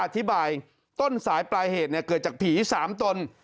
อธิบายต้นสายปลายเหตุเนี่ยเกิดจากผีสามตน